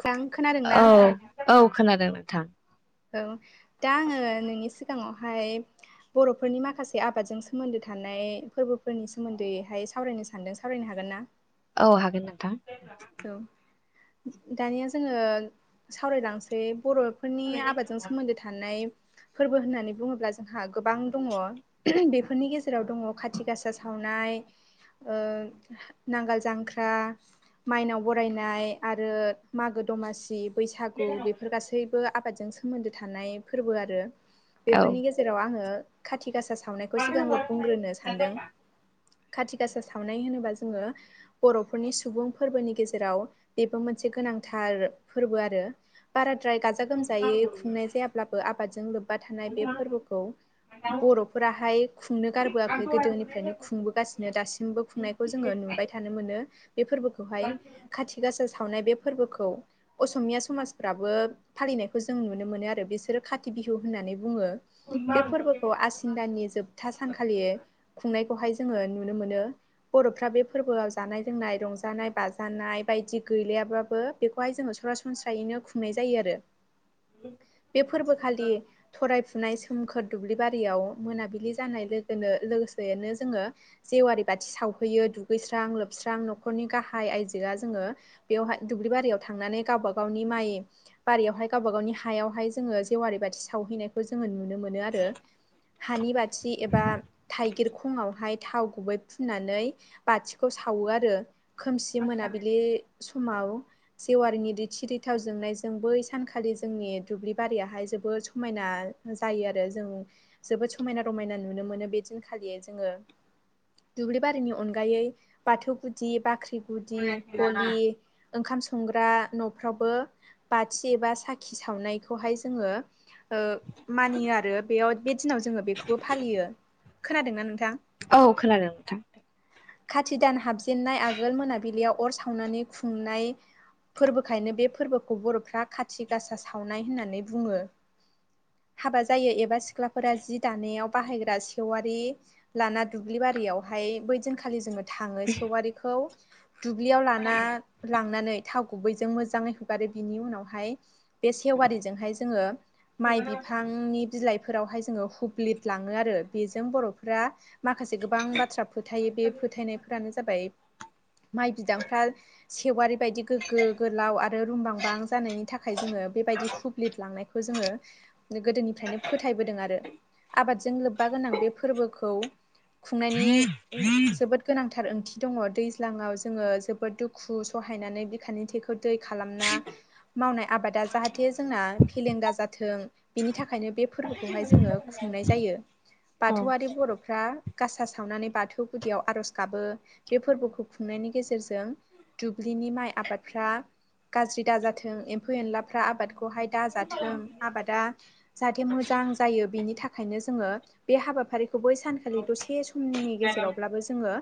खोरां खोनादोंना औ औ खोनादों नोंथां। औ दा आङो नोंनि सिगाङावहाय बर'फोरनि माखासे आबादजों सोमोन्दो थानाय फोरबोफोरनि सोमोन्दैहाय सावरायनो सान्दों सावरायनो हागोन ना? औ हागोन नोंथां। औ दानिया जोङो सावरायलांसै बर' फोरनि आबादजों सोमोन्दो थानाय फोरबो होननानै बुङोब्ला जोंहा गोबां दङ। ओहम बेफोरनि गेजेराव दङ खाथि गासा सावनाय, ओ नह नांगाल जांख्रा, माइनाव बरायनाय आरो मागो दमासि, बैसागु बेफोर गासै सैबो आबादजों सोमोन्दो थानाय फोरबो आरो औ बेफोरनि गेजेराव आङो खाथि गासा सावनायखौ सिगांग्रो बुंग्रोनो सानदों। खाथि गासा सावनाय होनोबा जोङो बर'फोरनि सुबुं फोरनि गेजेराव बेबो मोनसे गोनांथार फोरबो आरो बाराद्राय गाज गाजा गोमजायै खुंनाय जायाब्लाबो आबादजों लोब्बा थानाय बे फोरबोखौ बर' फोराहाय खुंनो गारबोआखै गोदोनिफ्रायनो खुंबोगासिनो दासिमबो खुंनायखौ जोङो नुबाय थानो मोनो। बे फोरबोखौहाय खाथि गासा सावनाय बे फोरबोखौ। असमिया समाजफ्राबो फालिनायखौ जों नुनो मोनो आरो बिसोरो खाथि बिहु होननानै बुङो। बे फोरबोखौ आसिन दाननि जोबथा सानखालि खुंनायखौहाय जोङो नुनो मोनो बर'फ्रा बे फोरबोआव जानाय लोंनाय, रंजानाय, बाजानाय बायदि गैलायाबाबो बेखौहाय जोङो सरासनस्रायैनो खुंनाय जायो आरो। बे फोरबोखालि थराय नाय सोमखोर दुब्लिबारियाव मोनाबिलि जानाय लोगोनो-लोगोसेनो जोङो जेवारि बाथि सावहैयो दुगैस्रां लोबस्रां न'खरनि गाहा हाइ आइजोआ जोङो बेवहाय दुब्लि बारियाव थांनानै गावबा गावनि माइ बारियावहाय गावबा गावनि हायावहाय जोङो जेवारि बाथि सावहैनायखौ जोङो नुनो मोनो आरो हानि बाथि एबा थाइगिरखङावहाय थाव गुबै फुननानै बाथिखौ सावो आरो खोमसि मोनाबिलि समाव। जेवारिनि रथि रिथाव जोंनायजों बै सानखालि जोंनि दुब्लि बारियाहाय जोबोद समायना जायो आरो जों जोबोद समायना रमायना नुनो मोनो बे दिनखालि जोङो। दुब्लि बारिनि अनगायै बाथौ गुदि बाख्रि गुदि गलि ओंखाम संग्रा न'फ्रावबो बाथि एबा साखि सावनायखौहाय जोङो मानियो आरो बेयाव बे दिनाव जोङो बेखौबो फालियो खोनादोंना नोंथां औ खोनादों नोंथां खाथि दान हाबजेनन्नाय आगोल मोनाबिलियाव अर सावनानै खुंनाय फोरबोखायनो बे फोरबोखौ बर'फ्रा खाथि गासा सावनाय होननानै बुङो हाबा जायो एबा सिख्लाफोरा जि दानायाव बाहायग्रा सेवारि लाना दुब्लि बारियावहाय बै दिनखालि जोङो थाङो सेवारिखौ दुब्लियाव लाना लांनानै थाव गुबैजों मोजांङै हुगारो बिनि उनावहाय बे सेवारिजोंहाय जोंङो माइ बिफांनि बिलाइफोरावहाय जोंङो हुब्लिर लांङो आरो बेजों बर'फोरा माखासे गोबां बाथ्रा फोथायो बे फोथायनायफोरानो जाबाय माइ बिदांफ्रा सेवारि बायदि गोग्गो गोलाव आरो रुमबांबां जानायनि थाखाय जोङो बेबायदि हुब्लिद लांनाय खौ जोंङो गोदोनिफ्रायनो फोथायबोदों आरो आबादजों लोब्बा गोनां बे फोरबोखौ खुंनायनि जोबोद गोनांथार ओंथि दङ दै दैलाङाव जोङो जोबोद दुखु सहायनानै बिखानि थैखौ दै खालामना मावनाय आबादा जाहाथे जोंना फेलें दाजाथों बिनि थाखायनो बे फोरबोखौहाय जोङो खुंनाय जायो औ बाथौआरि बर'फ्रा गासा सावनानै बाथौ गुदियाव आर'ज गाबो बे फोरबोखौ खुंनायनि गेजेरजों दुब्लिनि माइ आबादफ्रा गाज्रि दाजाथों एम्फौ एनलाफ्रा आबादखौहाय दाजाथों आबादा। जाहाथे मोजां जायो बिनि थाखायनो जोंङो बे हाबाफारिखौ बै सानखालि दसे सम। नि गेजेरावब्लाबो जोंङो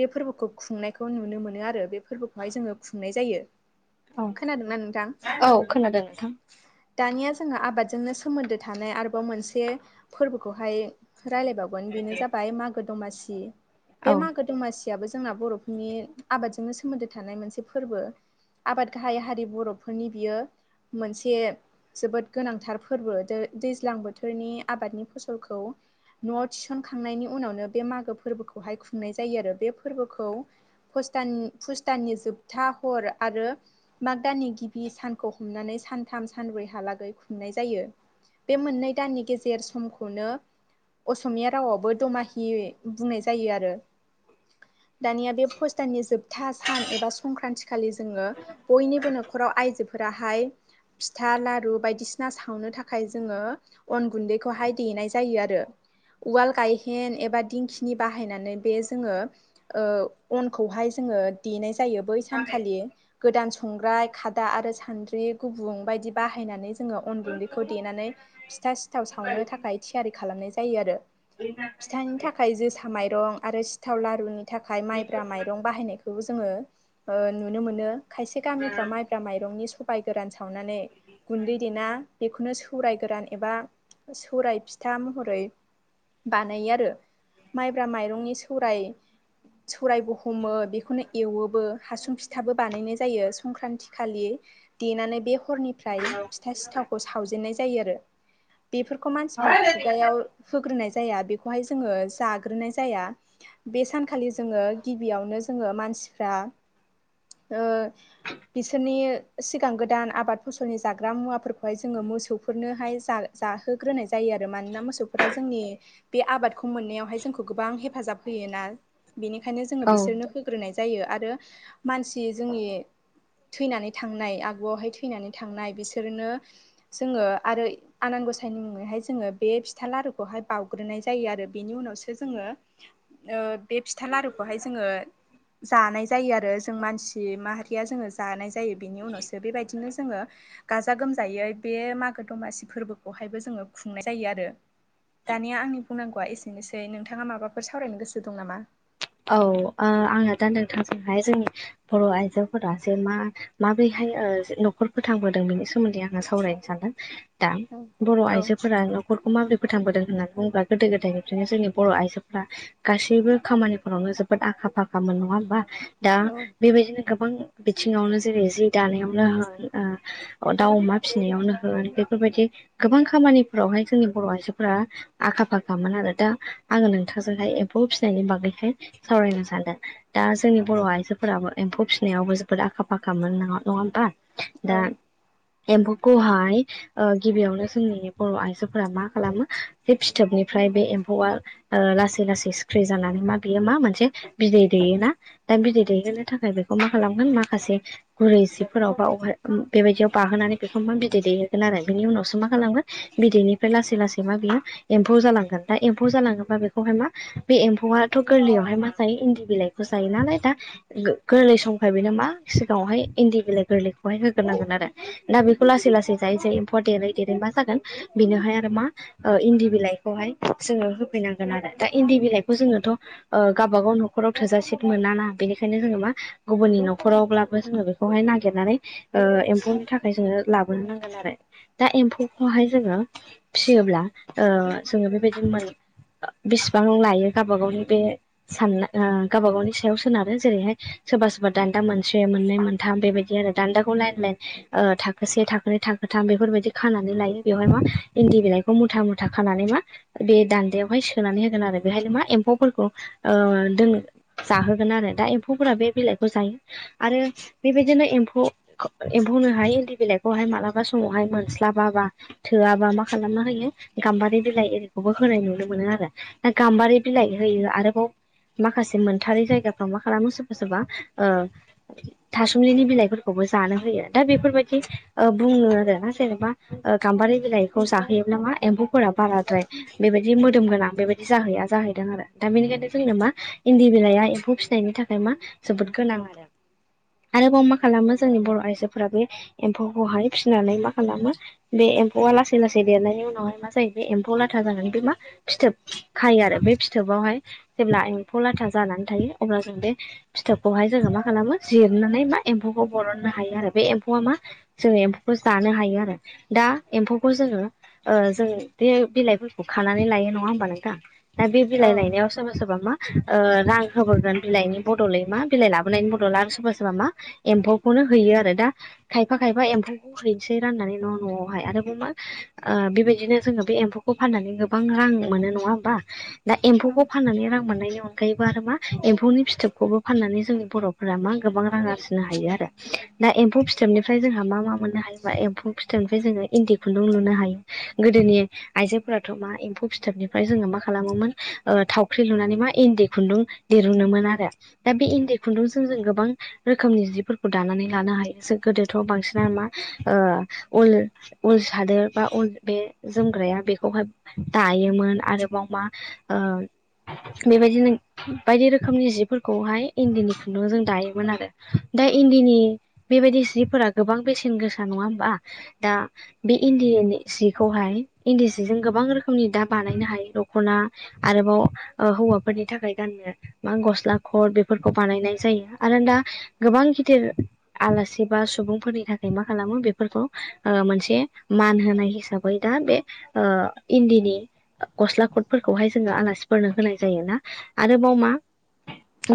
बे फोरबो। फोरबोखौ खुंनायखौ नुनो मोनो आरो बे फोरबोखौहाय जोंङो खुंनाय जायो औ खोनादोंना नोंथां। औ खोनादों नोंथां। दानिया जोंहा आबादजोंनो सोमोन्दो थानाय आरोबाव मोनसे। फोरबोखौहाय रायलायबावगोन बेनो जाबाय मागो दमासि। बे औ मागो दमासियाबो जोंना बर'फोरनि आबादजोंनो सोमोन्दो थानाय मोनसे फोरबो। आबाद गाहाय हारि बर'फोरनि बियो मोनसे। जोबोद गोनांथार फोरबो दैज्लां बोथोरनि आबादनि फसलखौ। न'आव थिसनखांनायनि उनावनो बे मागो फोरबोखौहाय खुंनाय जायो आरो बे फोरबोखौ। पुष दान पुस दाननि जोबथा हर आरो। माग दाननि गिबि सानखौ हमनानै सानथाम सानब्रैहालागै खुंनाय जायो। बे मोननै दाननि गेजेर समखौनो। असमिया रावाबो दमाहि बुंनाय जायो आरो। दानिया बे पुष दाननि जोबथा सान एबा संक्रान्ति खालि जोंङो। बयनिबो न'खराव आयजोफोराहाय। फिथा लारु बायदिसिना सावनो थाखाय जोंङो। अन गुन्दैखौहाय देनाय जायो आरो। उवाल गायहेन एबा दिंखिनि बाहायनानै बे जोंङो। ओ अनखौहाय जोंङो देनाय जायो बै सानखालि गोदान संग्राय खादा आरो सान्द्रि गुबुं बायदि बाहायनानै जोंङो अन गुन्दैखौ देनानै फिथा सिथाव सावनो थाखाय थियारि खालामनाय जायो आरो [inaudible] फिथानि थाखाय जोसा माइरं आरो सिथाव लारुनि थाखाय माइब्रा माइरं बाहायनायखौबो जोंङो। नुनो मोनो खायसे गामिफ्रा माइब्रा माइरंनि सबाय गोरान सावनानै। गुन्दै देना बेखौनो सौराय गोरान एबा सौराय फिथा महरै। बानायो आरो माइब्रा माइरंनि सौराय। सौरायबो हमो बेखौनो एवोबो हासुं फिथाबो बानायनाय जायो संख्रान्ति खालि। देनानै बे हरनि ओमफ्राय फिथा सिथावखौ सावजेननाय जायो आरो बेफोरखौ मानसिफ्रा खुगायाव होग्रोनाय जाया बेखौहाय जोंङो जाग्रोनाय जाया बे सान खालि जोंङो गिबियावनो जोंङो मानसिफ्रा ओ बिसोरनि सिगां गोदान आबाद फसलनि जाग्रा मुवाफोरखौहाय जोंङो मोसौफोरनोहाय जा जाहोग्रोनाय जायो आरो मानोना मोसौफोरा जोंनि बे आबादखौ मोननायावहाय जोंखौ गोबां हेफाजाब होयोना बेनिखायनो जोंङो औ बिसोरनो होग्रोनाय जायो आरो मानसि जोंनि थैनानै थांनाय आगुआवहाय थैनानै थांनाय बिसोरनो जोंङो आरो आनान गसाइनि मुंङैहाय जोंङो बे फिथा लारुखौहाय बावग्रोनाय जायो आरो बेनि उनावसो जोंङो ओ बे फिथा लारुखौहाय जोंङो जानाय जायो आरो जों मानसि माहारिया जोंङो जानाय जायो बेनि उनावसो बेबायदिनो जोंङो गाजा गोमजायै बे मागो दमासि फोरबोखौहायबो जोंङो खुंनाय जायो आरो दानिया आंनि बुंनांगौआ एसेनोसै नोंथांङा माबाफोर सावरायनो गोसो दं नामा औ ओ आंङो दा नोंथांजोंहाय जोंनि बर आइजोफोरा जे मा माबोरैहाय ओ नखर फोथांबोदों बेनि सोमोन्दै आंङो सावरायनो सानदों दा औ बर औ आइजोफोरा न खरखौ माबोरै फोथांबोदों होननानै बुंङोब्ला गोदो गोदायनिफ्रायनो जोंनि बर आइजोफोरा गासैबो खामानि फोरावनो जोबोद आखा फाखामोन नङा होमबा दा औ बेबायदिनो गोबां बिथिंङावनो जेरै जि दानायावनो होन ओ अ दाउ अमा फिसिनायावनो होन बेफोरबायदि गोबां खामानिफोरावहाय जोंनि बर आइजोफोरा आखा फाखामोन आरो दा आङो नोंथांजोंहाय एम्फौ फिसिनायनि बागैहाय सावरायनो सानदों दा जोंनि बर आइजोफोराबो एम्फौ फिसिनायावबो जोबोद आखा फाखामोन नङा-नङा होमबा औ दा एम्फौखौहाय ओ गिबियावनो जोंनि बर आइजोफोरा मा खालामो बे फिथोबनिफ्राय बे एम्फौआ ओ लासै लासै सिख्रि जानानै मा बेयो मा मोनसे बिदै दैयोना दा बिदै दैहोनो थाखाय बेखौ मा खालामगोन माखासे गुरै जिफोराव बा अहाय बेबायदियाव बाहोनानै बेखौ मा बिदै दैहोगोन आरो बिनि उनावसो मा खालामगोन बिदैनिफ्राय लासै लासै मा बियो एम्फौ जालांगोन दा एम्फौ जालाङोबा बेखौहाय मा बे एम्फौआ थ गोरलैयावहाय मा जायो इन्दि बिलाइखौ जायो नालाय दा गोरलै समखाय बेनो मा सिगाङावहाय इन्दि बिलाइ गोरलैखौहाय होग्रोनांगोन आरो दा बेखौ लासै लासै जायै जायै एम्फौवा देरै देरै मा जागोन बेनोहाय आरो मा ओ इन्दि बिलाइखौहाय जोङो होफैनांगोन आरो दा इन्दि बिलाइखौ जोङोथ ओ गावाबा गाव नखराव थोजासे मोनाना बेनिखायनो जोङो मा गुबुननि नखरावब्लाबो जोङो बे खौहाय नागिरनानै ओ एम्फौनि थाखाय जोङो लाबोनो नांगोन आरो दा एम्फौखौहाय जोङो फिसियोब्ला ओ जोङो बेबायदिनो मोन बेसेबां लायो गावबा गावनि बे साननाय ओ गावबा गावनि सायाव सोनारो जेरैहाय सोरबा सोरबा दान्दा मोनसे मोननै मोनथाम बेबायदि आरो दान्दाखौ लाइन लाइन ओ थाखोसे थाखोनै थाखोथाम बेफोरबायदि खानानै लायो बेवहाय मा इन्दि बिलाइखौ मुथा मुथा खानानै मा बे दान्दायावहाय सोनानै होगोन आरो बेहायनो मा एम्फौफोर ओ जों जाहोगोन आरो दा एम्फौफोरा बे बिलाइखौ जायो आरो बेबायदिनो एम्फौ एम्फौनोहाय इन्दि बिलाइखौहाय मालाबा समावहाय मोनस्लाबाबा थोआबा मा खालामना होयो गाम्बारि बिलाइ एरिखौबो होनाय नुनो मोनो आरो दा गाम्बारि बिलाइ होयो आरोबाव माखासे मोनथारै जायगाफ्राव मा खालामो सोरबा सोरबा ओ थासुमलिनि बिलाइफोरखौबो जानो होयो दा बेफोरबायदि बुङो आरोना जेनेबा ओ गाम्बारि बिलाइखौ जाहोयोब्ला मा एम्फौफोरा बाराद्राय बेबायदि मोदोम गोनां बेबायदि जाहैया जाहैदों आरो दा बेनिखायनो जोंनो मा इन्दि बिलाइया एम्फौ फिसिनायनि थाखाय मा जोबोद गोनां आरो। आरोबाव मा खालामो जोंनि बर' आइजोफोरा बे एम्फौखौहाय फिसिनानै मा खालामो बे एम्फौआ लासै लासै देरनायनि उनावहाय मा जायो बे एम्फौ लाथा जागोन बे मा फिथोब खायो आरो बे फि पिथोबावहाय जेब्ला एम्फौ लाथा जानानै थायो अब्ला जों बे फिथोबखौहाय जोङो मा खालामो जिरनानै मा एम्फौखौ बरननो हायो आरो बे एम्फौआ मा जोङो एम्फौखौ जानो हायो आरो दा एम्फौखौ जोङो ओ जों बे बिलाइफोरखौ खानानै लायो नङा होमबा नोंथां दा बे बिलाइ लाइनायाव सोरबा सोरबा मा ओ रां होबोगोन बिलाइनि बदलै मा बिलाइ लाबोनायनि बदल आरो सोरबा सोरबा मा एम्फौखौनो होयो आरो दा खायफा खायफा एम्फौखौ हैनोसै राननानै न' न'आवहाय आरोबाव मा ओ बेबायदिनो जोङो बे एम्फौखौ फाननानै गोबां रां मोनो नङा होमबा दा औ एम्फौखौ फाननानै रां मोननायजों अनगायैबो आरो मा एम्फौनि फिथोबखौबो फाननानै जोंनि बर'फोरा मा गोबां रां आरजिनो हायो आरो। दा एम्फौ फिथोबनिफ्राय जोंहा मा मा मोननो हायोबा एम्फौ फिथोबनिफ्राय जोङो इन्दि खुन्दुं लुनो हायो गोदोनि आइजोफोराथ' मा एम्फौ फिथोबनिफ्राय जोङो मा खालामोमोन ओ थावख्रि लुनानै मा इन्दि खुन्दुं दिरुनोमोन आरो दा बे इन्दि खुन्दुंजों जों गोबां रोखोमनि जिफोरखौ दानानै लानो हायो जों गोदोथ' बांसिना मा ओ उल उल सादोर बा उल बे जोमग्राया बेखौहाय दायोमोन आरोबाव मा ओ बेबायदिनो बायदि रोखोमनि जिफोरखौहाय इन्दिनि खुन्दु जों दायोमोन आरो। दा इन्दिनि बेबायदि सिफोरा गोबां बेसेन गोसा नङा होमबा दा बे इन्दि सिखौहाय इन्दि सिजों गोबां रोखोमनि दा बानायनो हायो दख'ना आरोबाव हौवाफोरनि थाखाय गाननो मा गस्ला खर बेफोरखौ बानायनाय जायो आरो दा गोबां गिदिर आलासि बा सुबुंफोरनि थाखाय मा खालामो बेफोरखौ मोनसे मान होनाय हिसा बै दा बे इन्दिनि गस्ला खथ फोरखौहाय जोङो आलासिफोरनो होनाय जायो ना आरोबाव मा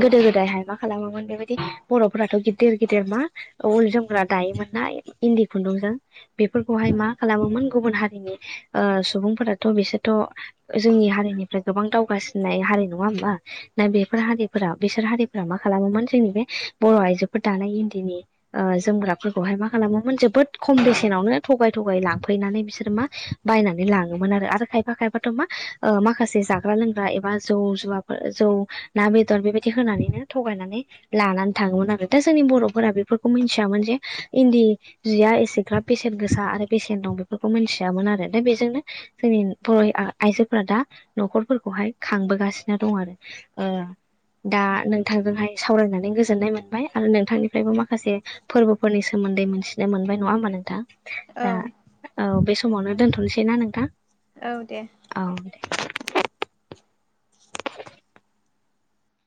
गोदो गोदायहाय मा खालामोमोन बेबायदि बर'फोराथ' गिदिर गिदिर मा उल जोमग्रा दायोमोनना इन्दि खुन्दुंजों। बेफोरखौहाय मा खालामोमोन गुबुन हारिनि ओ सुबुंफोराथ' बिसोरथ' जोंनि हारिनिफ्राय गोबां दावगासिननाय हारि नङा हबा? ना बेफोर हारिफोरा बिसोर हारिफोरा मा खालामोमोन जोंनि बे बर' आइजोफोर दानाय इन्दिनि जोमग्राफोरखौहाय मा खालामोमोन जोबोद खम बेसेनावनो थगाय थगाय लांफैनानै बिसोर मा बायनानै लाङोमोन आरो खायफा खायफाथ' मा माखासे जाग्रा लोंग्रा एबा जौ जुवाफोर जौ ना बेदर बेबायदि होनानैनो थगायनानै लानानै थाङोमोन आरो दा जोंनि बर'फोरा बेफोरखौ मिथियामोन जे इन्दि जिया एसेग्राब बेसेन गोसा आरो बेसेन दं बेफोरखौ मिथियामोन आरो दा बेजोंनो जों फुरै आ आइजोफोरा दा न'खरफोरखौहाय खांबोगासिनो दं आरो ओ दा नोंथांजोंहाय सावरायनानै गोजोननाय मोनबाय आरो नोंथांनिफ्रायबो माखासे फोरबोफोरनि सोमोन्दै मोनथिनो मोनबाय नङा होमबा नोंथां औ दा औ बे समावनो दोनथ'नोसै ना नोंथां? औ दे औ दे [unintelligible]